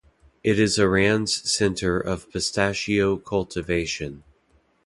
It is Iran's center of pistachio cultivation.